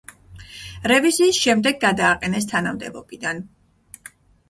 რევიზიის შემდეგ გადააყენეს თანამდებობიდან.